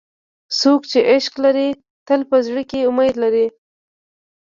څوک چې عشق لري، تل په زړه کې امید لري.